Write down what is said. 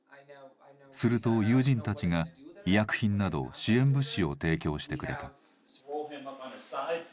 すると、友人たちが医薬品など支援物資を提供してくれた。